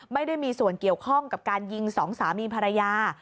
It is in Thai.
ไม่ได้มีส่วนเกี่ยวข้องกับการยิงสองสามีภรรยา